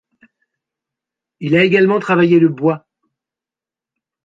Il a également travaillé le bois.